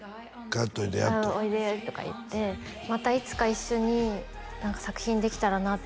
ＮＨＫおいでとか言ってまたいつか一緒に作品できたらなって